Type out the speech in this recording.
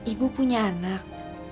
ibu punya anak